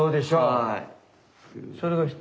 はい。